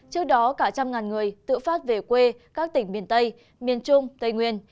trước đó cả trăm ngàn người tự phát về quê các tỉnh miền tây miền trung tây nguyên